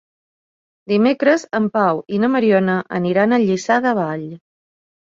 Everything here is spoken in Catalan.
Dimecres en Pau i na Mariona aniran a Lliçà de Vall.